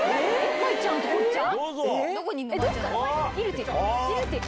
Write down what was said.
舞ちゃんと琴ちゃん！